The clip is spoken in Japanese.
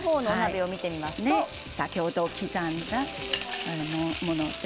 先ほど刻んだもので。